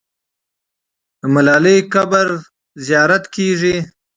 د ملالۍ قبر ته زیارت کېږي.